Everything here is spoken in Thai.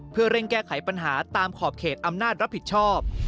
เพื่อเร่งแก้ไขปัญหาตามขอบเขตอำนาจรับผิดชอบ